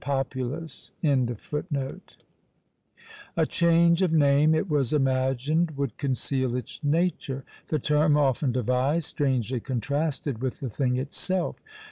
A change of name, it was imagined, would conceal its nature! The term often devised, strangely contrasted with the thing itself.